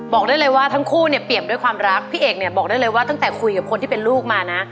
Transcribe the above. บอกได้เลยว่าทั้งคู่เนี่ยเปรียบด้วยความรักพี่เอกเนี่ยบอกได้เลยว่าตั้งแต่คุยกับคนที่เป็นลูกมานะ